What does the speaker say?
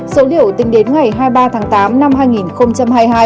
số liệu tính đến ngày hai mươi ba tháng tám năm hai nghìn hai mươi hai